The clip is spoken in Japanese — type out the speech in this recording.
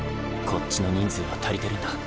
こっちの人数は足りてるんだ。